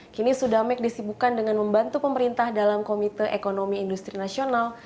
kini sudamek disibukan dengan membantu pemerintah dalam komite ekonomi industri nasional